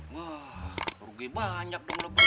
wah rugi banyak bener bener